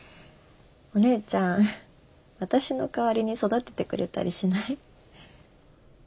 お姉ちゃん私の代わりに育ててくれたりしない？